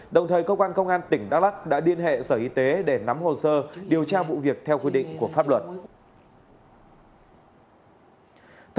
đồng thời cơ quan công an tỉnh đắk lắc đã liên hệ sở y tế để nắm hồ sơ điều tra vụ việc theo quy định của pháp luật